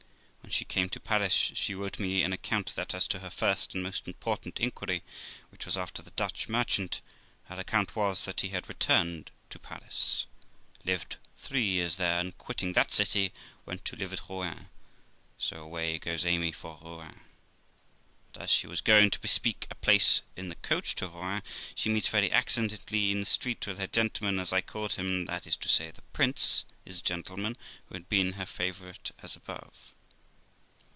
When she came to Paris she wrote me an account, that as to her first and most important inquiry, which was after the Dutch merchant, her account was, that he had returned to Paris, lived three years there, and, quitting that city, went to live at Rouen; so away goes Amy for Rouen. But as she was going to bespeak a place in the coach to Rouen, she meets very accidentally in the street with her gentleman, as I called him that is to say, the Prince de 's gentleman, who had been her favourite, as above.